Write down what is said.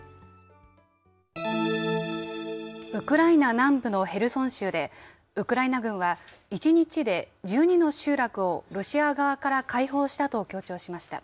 ウクライナ南部のヘルソン州で、ウクライナ軍は、１日で１２の集落をロシア側から解放したと強調しました。